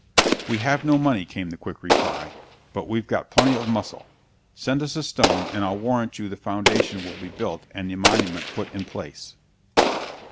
"We have no money," came the quick reply, "but we've got plenty of muscle. Send us a stone and I'll warrant you the foundation will be built and the monument put in place."